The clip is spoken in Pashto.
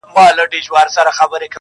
زه چي زلمی ومه کلونه مخکي!!